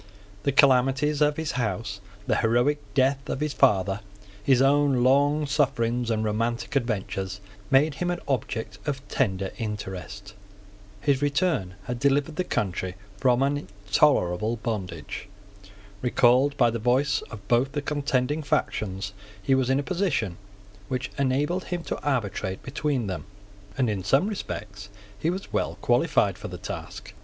The calamities of his house, the heroic death of his father, his own long sufferings and romantic adventures, made him an object of tender interest. His return had delivered the country from an intolerable bondage. Recalled by the voice of both the contending factions, he was in a position which enabled him to arbitrate between them; and in some respects he was well qualified for the task.